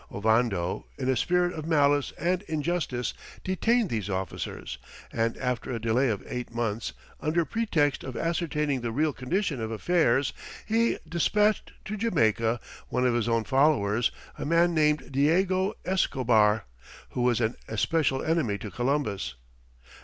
Ovando, in a spirit of malice and injustice, detained these officers, and after a delay of eight months, under pretext of ascertaining the real condition of affairs, he despatched to Jamaica one of his own followers, a man named Diego Escobar, who was an especial enemy to Columbus.